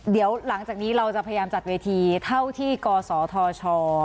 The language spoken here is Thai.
เดี๋ยวหลังจากนี้เราจะพยายามจัดเวทีเท่าที่กศธช